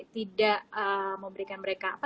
tidak memberikan mereka